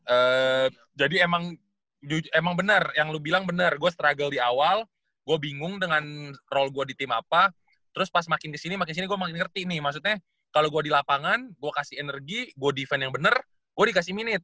eee jadi emang bener yang lu bilang bener gua struggle di awal gua bingung dengan role gua di team apa terus pas makin kesini makin kesini gua makin ngerti nih maksudnya kalo gua di lapangan gua kasih energi gua defend yang bener gua dikasih minute